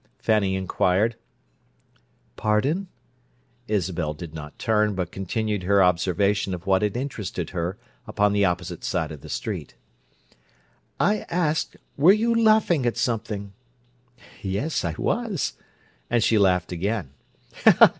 Fanny inquired. "Pardon?" Isabel did not turn, but continued her observation of what had interested her upon the opposite side of the street. "I asked: Were you laughing at something?" "Yes, I was!" And she laughed again.